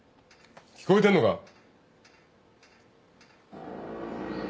聞こえてんのか？